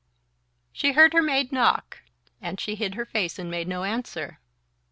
She heard her maid knock, and she hid her face and made no answer.